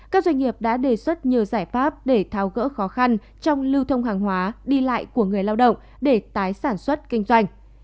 các doanh nghiệp đã đề xuất nhiều giải pháp để tháo gỡ khó khăn trong lưu thông hàng hóa đi lại của người lao động để tái sản xuất kinh doanh